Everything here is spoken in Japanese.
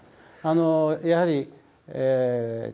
あのやはりええ